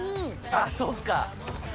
あぁそっか。